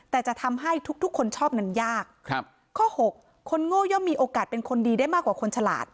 แต่จะทำให้ทุกทุกคนชอบนั้นยากครับข้อหกคนโง่ย่อมมีโอกาสเป็นคนดีได้มากกว่าคนฉลาด